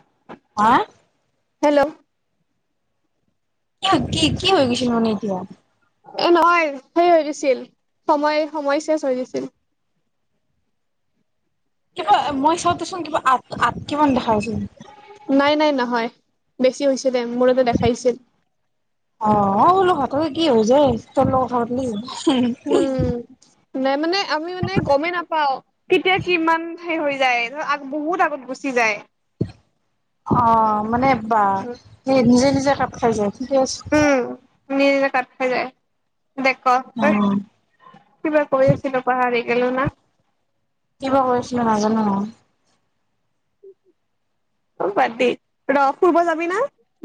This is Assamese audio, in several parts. [inaudible] আহ । হেল্ল' কি কি কি হৈ গৈছে মানে এইটো । এ নহয় সেই হৈ দিছিল সময় সময় চেজ হৈ দিছিল কিবা মই চব । চোন কিবা আ আ কিমান দেখাছিল বছি হৈছে মূ়তে দেখাইছিল অঐ কি হ যে ত লগ সলি উম [unintelligible] আমি মানে গমেই নাপাও কেতিয়া কিমান হৈ যায় ধৰ আ বহুত আগত গুচি যায় । অ মানে বা স নিজে নিজে খাপ খাই যায় গছ নিজে নিজে কাট খাই যায় । অ [unintelligible] কিবা কৈ আছিলো পাহাৰী। গেলো না কিবা কৰিছিল নাজানো আৰু [unintelligible] বাদ দি, ৰ' ফুৰিব যাবি না?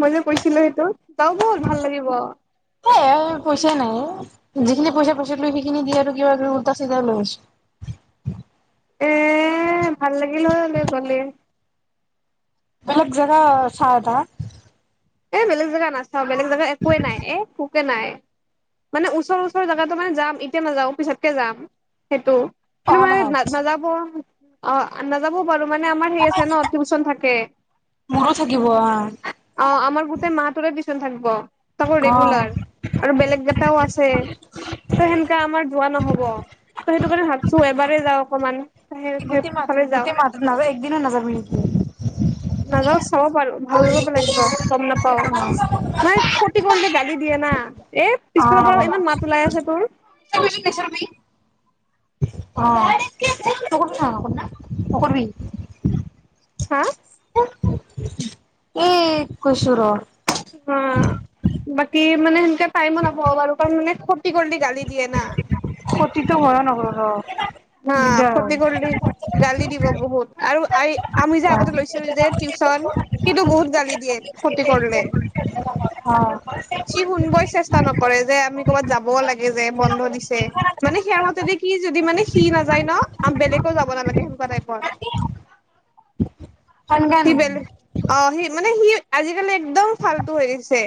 মই যে কৈছিলো সেইটো, যাওঁ ব'ল ভাল লাগিব। এ পইচাই নাই এ। যিখিনি পইচা-পইচা লৈ সেইখিনি দি আৰু কিবা কিবি উল্টা চিধা লৈ আছোঁ । এএ ভাল লাগিল হয় [unintelligible] গ'লে! বেলেগ জেগা চাই থাক। এ বেলেগ জেগা না [unintelligible] বেলেগ জাগা একোৱে নাই, এ নাই, মানে ওচৰ ওচৰৰ জাগাতো মানে যাম এতিয়া নাযাওঁ, পিছতকে যাম সেইটো কিন্তু অহা মানে মাহত [unintelligible] অ', আ নাযাবওঁ পাৰ মানে আমাৰ‌ সেই আছে ন' টিউচন থাকে। মোৰো থাকিব অ অ অ' আমাৰ [unintelligible] থাকিব। তাকো ৰেগুলাৰ, আৰু বেলেগ গেটাও আছে। ত' সেনকা আমাৰ যোৱা নহ [unintelligible] সেইটো কাৰণে ভাবছো এবাৰেই যাওঁ অকণমান। কি গোটেই মাহটো গোটেই মাহটো [unintelligible] একদিনো নাযাব নেকি? নাযা [unintelligible] গম নাপাওঁ, মানে ক্ষতি কৰিলে গালি দিয়ে না। এ পিছফালৰ পৰা ইমান মাত ওলাই আছে তোৰ। অ' [unintelligible] হা? এ গৈছো ৰ'। উউ। বাকী মানে সেনেকে টাইমো নাপাব পাৰু কাৰণ মানে [unintelligible] কৰলি গালি দিয়ে না। [unintelligible] হা দিগদাৰ হয় ক্ষতি কৰিলি গালি দিব বহুত আৰু আ আমি যে আগতে লৈছিলো যে টিউচন, সিতো বহুত গালি দিয়ে ক্ষতি কৰলে অ অ সি শুনবই চেষ্টা নকৰে যে আমি ক'ৰবাত যাবও লাগে যে বন্ধ দিছ [unintelligible] মানে সিয়াৰ মতেদি সি যদি মানে সি নাযায় ন', আ বেলেকেও যাব নালাগে সেনেকুৱা টাইপৰ সি বেলে, অ' সি মানে সি আজিকালি এক একদম ফালটো হৈ দিছে।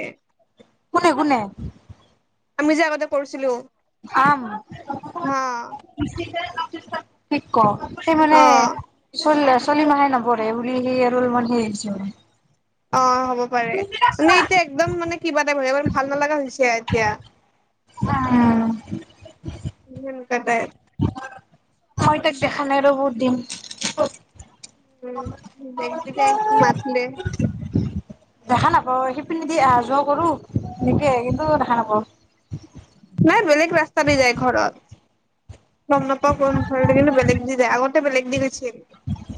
কোনে কোনে? আমি যে আগতে কৰিছিলো। অম। হা কি ক সেই মানে অ চল চলি মাহে নপঢ়ে বুলি সেই আৰু অলমান সেইছে। অ হ'ব পাৰে, মানে এতিয়া একদম মানে কিবা টাইপ ভাল নালগা হৈছে কতিয়া উম কটাই মই তাক দেখা নাই ৰ বহুত দিন। [unintelligible] মছলে। পিনি দি অহা যোৱা কৰো, এনেকে কিন্তু দেখা দেখা নাপাওঁ। নাই বেলেগ ৰাস্তা দি যায় ঘৰত। গম নাপাওঁ কোন ফালেদি কিন্তু বেলেগুি যায়। আগত এ বেলেগ দি গৈছিল,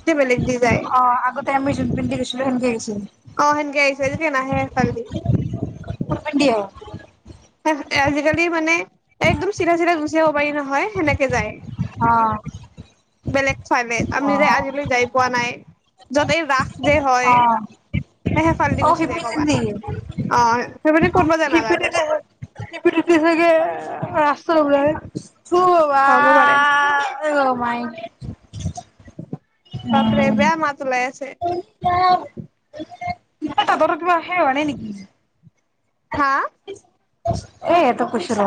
এয়া বেলেগ দি যায় অ', আগতে আমি যোন পিন্ধি গৈছিলো সেনেকে আহিছিল। হেইটেদি নহে হেফালেদি। ডিয়া আজিকালি মানে একদম চিধা চিধা গুচি আহিব পাৰি নহয় সেনেকে যায়। অহ। বেলেগ চালে আমি যে আজিলৈ যাই পোৱা নাই। য'তেই ৰাস যে অ হয় হেফালেদি অ গুচি যায় কৰ'বাত। সিপিনেদি অ', সেইবে ক'তবা যাই নাজানো। নিপিদিতি চাগে ৰাস্তাৰ ত হ'ব পাৰে থোৱা অহ মাই বাপৰে উম বেয়া মাত ওলাই আছে। [inaudible] [inaudible] ত ত তত কিবা আহে নে নেকি। হা? এ এইটো কইচো ৰ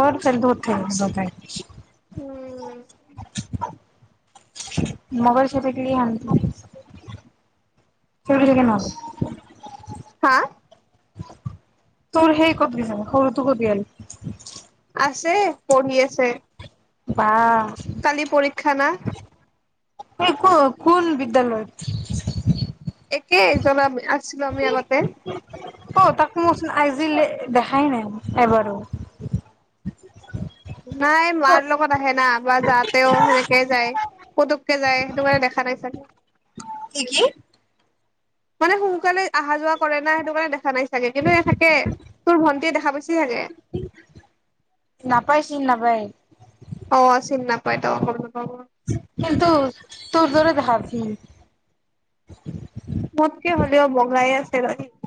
মোৰ [unintelligible] উঠে নিজকে। উ, উ। মগৰ চতাক [unintelligible] হা [unintelligible] তৰ সেই কত লৈ যাব, সৰুটো হল বিহাৰী। আছে, পঢ়ি আছে। বা কালি পৰীক্ষা না? এই ক কোন বিদ্যালয়ত? একেই জলা আছিলো আমি আগতে। অ, তাকোটো মইচোন আজিলে দেখাই নাই এবাৰো। নাই, মাৰ লগত আহে না। বা যাওতেও সেনেকে যায়। পোতুককে যায়। সেইটো কাৰনে দেখা নাই চাগে। কি? কি? মানে সোনকালে আহা-যোৱা কৰে না, সেইটো কাৰণে দেখা নাই চাগে। কিন্তু এ থাকে, তোৰ ভন্টিয়ে দেখা পাইছে। নাপায়, চিন নাপায়। অ, চিনি নাপায় ত অ। কিন্তু তোৰ দৰে হাফী। মোতকে হ'লেও [unintelligible]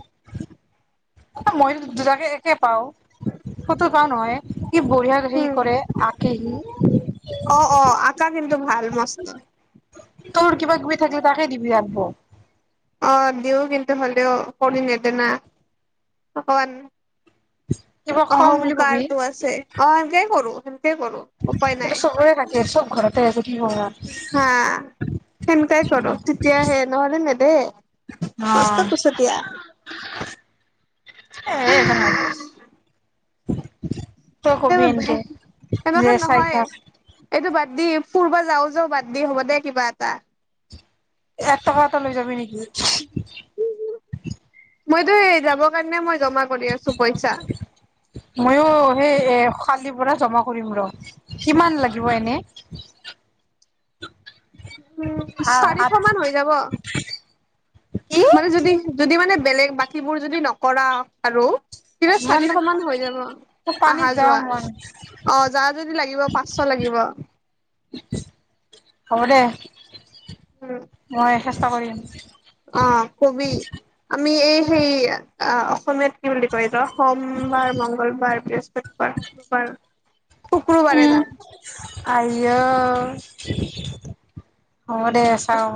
মইয়ো দুটাকে একে পাও। কতত কোৱা নহয় এ। উম, অ-অ আঁকা কিন্তু ভাল মস্ত। তৰ কিবা-কিবি থাকলে তাকে দিবি আনব'। অ দিও কিন্তু হলেও কৰি নেদে না। অকমান কিবা খং বুলি অহংকাৰটো আছে, অ সেই কৰো। কৰো উপায় নাই সেটো চবৰে থাকে আৰু চব ঘৰতে আছে কি কবা। হা সেনকাই কৰো, তেতিয়া আহে নহলে না তাকেহে হে মছট' অ', কুছটিয়া। [inaudible] ষ্ট কবি এনকে যে, চাই থাক। ব দি ফূৰবা যাও যও। বাদ দি, হ'ব দে কিবা এটা। এটা এটা লৈ যাবি নেকি? মইতো সে যাবৰ কাৰণে মই জমা কৰি আছো পইচা মইয়ো সেই এ জা কৰিম ৰ কিমান লাগিব এনে উ চাৰিশ আঠ মান হৈ যাব কি মানে যদি যদি মানে বেলেগ বাকীবোৰ যদি নকৰা আৰু কিবা ইমান চাৰিশ মান হৈ যাব অহা পানীত যাব যোৱা মন অ যাৰ যদি লাগিব পাঁচশ লাগিব হ'ব দে উম মই চেষ্টা কৰিম । অ কবি আমি এই সেই অ অসমীয়াত কি বুলি কয় ৰ সোমবাৰ মং্গলবাৰ বৃহস্পতিবাৰ শুক্ৰবাৰ শুক্ৰবাৰে যাম আে অ' দে চাওঁ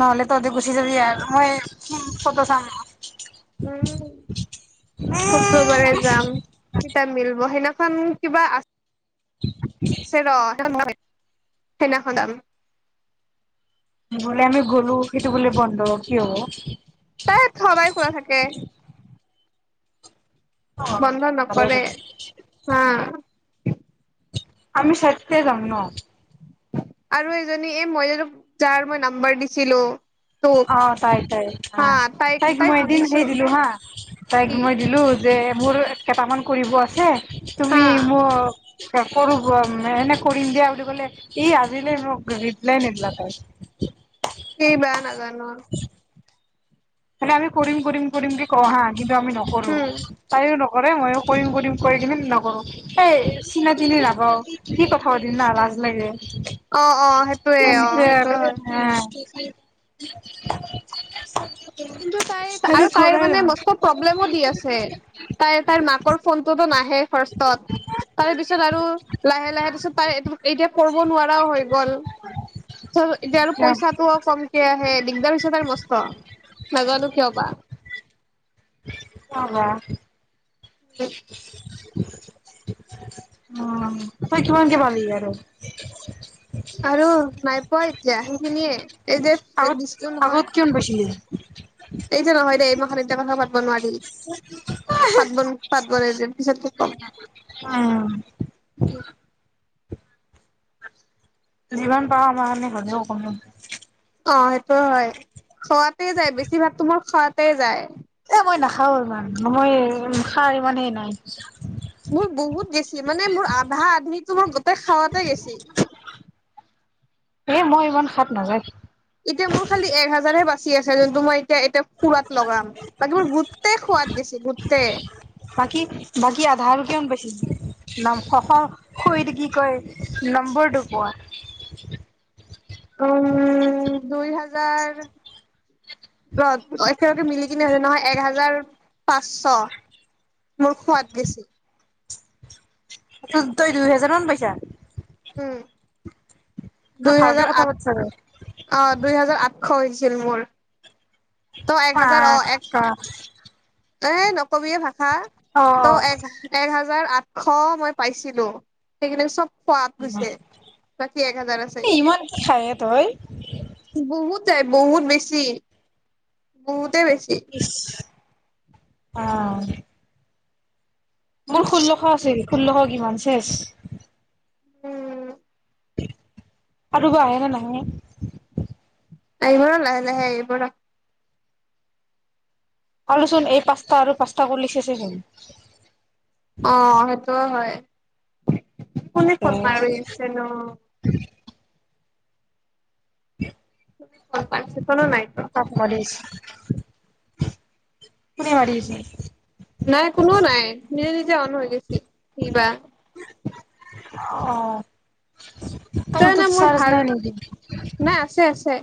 নহ'লে তহতে গুছি যাবি ইাৰ হয় কত চাম উম সববাৰে যাম । চিতা মিলব সেইদিখন কিবা আ ছে ৰ সেইনেখন দাম বোলে আমি গ'লো সেইটো বোলে বন্ধ কি হ'ব তাই সবাই খোলা থাকে । অ', বন্ধ ভালে নকৰে হা আমি চৰতে যাম ন আৰু এজনী এ মই জো যাৰ মই নাম্বাৰ দিছিলো । অ তাই তাই হ তাইক মই এদিন সেই দিলো হা তাইক কি মই দিলো যে মোৰ কেইটামান কৰিব আছে তুমি হা ম কৰ এনে কৰিম দিয়া বুলি কলে ই আজিলন ৰিপলোইনদলা তাই হয় [inaudible] সি বেয়া নাজা অ হলে আমি কৰিম কৰিম বুলি কোও হা কিবা আমি নকৰো উম, তায়ো ন কৰে ময়ো কৰিম কৰিম কৰি কিনে নকৰো এই চিনা তিনি নাপাও কি কথা পাতিম না লাজ লাগে । অ অ সেইটয়ে অ সেইটোয়ে হয় । হয় । ত ত মে প্ৰব্লেমো দি আছে তাই তাইৰ মাকৰ ফোনটোতো নাহে ফত তাৰ পিছত আৰু লেে ত এতিয়া কৰিব নোৱাৰাও গল এতি পইচাটো কমক আহে দিগদাৰ হৈছে তস নাজানো কিয় বা অবা [unintelligible] উ তই কিমানকে পালি আৰু আৰু নাই পোৱা এতিয়া সেইখিনিয়ে এই যে আগত দিছিলো নহয়। আগত কমান বেছিলিে এই জে নহয় দেই মই এমাহ কথা পাতব নোৱাৰি পাতব পাতবো নোৱাৰাৰ পিছত খুব কম । উম, জীৱন পাওঁ আমাৰ কাৰণে হ'লেও অকমান অ সেইটো হয় খোৱাতে যায় বেছিভাগ তোমাক খোৱাতে যায় এ মই নাখাও ইমান মই খাৰ ইমান হে নাই মোৰ বহুত গেছি মানে মোৰ আধা আধিতো মোৰ গোটেই খাৱাতে গেছি এ মই ইমান খাপ নাযায় এতিয়া মোৰ খালি এক হাজাৰহে বাচি আছে যোন । দুমাই তিয়া এতিয়া ফুৰাত লগাম তাক মোৰ গোটটেই খোৱাত গৈছে গোটটেই বাকী বাকী আধা আৰু কিমান পাইছিলি? । [unintelligible] কি কয় নম্বৰটো কোৱা উম দুই হাজাৰ একেলগে মিলি তিনি হাজাৰ নহয় এক হাজাৰ পাঁচশ মোৰ খোৱাদ বেছি তই দুই হেজাৰ মান পাইছা । উম তই দুই ভালকে হাজাৰ কথা আঠ পাত চাগে। অ দুই হাজাৰ আঠ খছিল মোৰ ত এক হাজাৰ অ এক আছা এ নকবিয়ে ভাল। হা আঠশ মই পাইছিলো সেইখিনি চব সোৱাত হৈছে বাকী এক হাজাৰ আছে এ ইমান কি খাই এ তই? বহুত তাই বহুত বেছি বহুত ইছ অ মোৰ ষোল্লশ আছিল। ষোল্লখ কিমান চেচ উম আৰু বাহে বা নাহে আহিব ৰ লাহে লাহে আহিব ৰ কলোচোন এই পাঁচতা আৰু পাঁচতা কৰিলে চেচেহয় অহ অ হয় কোনে এ ফোন মাৰিছেনো? ক [unintelligible] গম পাইছিলো [unintelligible] কোনে মাৰিছে নাই কোনো নাই নিজে নিজে অন হৈ গৈছে কি বা অহঁ জানা মোৰ ভাল নেকি নাই আছে আছে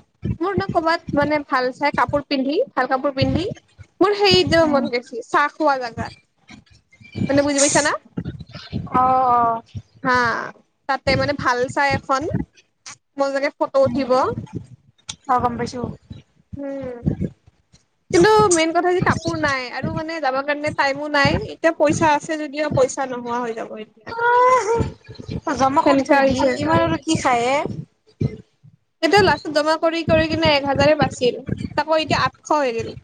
মোৰ নহ ক'বাত মানে ভাল চাই কাপোৰ পিন্ধি ভাল কাপোৰ পিন্ধি মোৰ সেই যাব উম মন গৈছে চাহঁ খোৱা জাগাত মানে বুজি পাইছা না অহ হা অহ তাতে মানে ভাল চাই ফন মোৰ চাগে ফটো উঠিব। হয় গম পাইছো। উম কিন্তু মেইন কথা যে কাপোৰ নাই আৰু মানে যাবা কাৰণে টাইমো নাই এতিয়া পইচা আছে যদিও পইচা নোহোৱা হৈ যাব এতিয়া আহ জমা কৰি সেনেকা থৈ দি হৈছে ইমান আৰু কি খায়ে। এতিয়া লাষ্টত জমা কৰি কৰি কিনে এক হাজাৰে বাছিল তাকো এতিয়া আঠশ হৈ গেল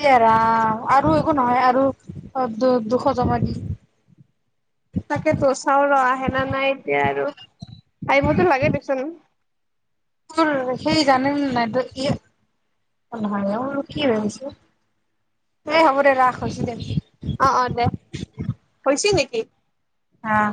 ইয়ে ৰাম আৰু একো নহয় আৰু দু-দুশ টকা দি। তাকেতো চাউলৰ আহেনা নাই এতিয়া আৰু আহিবতো লাগে দেচোন তোৰ সেই জানিম নাই কি নহয়োৰ কি হৈছে এ হব দে ৰাস হৈছে দে অ অ দে হৈছে নেকি এক আহ